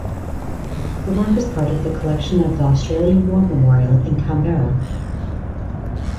The work is part of the collection of the Australian War Memorial in Canberra.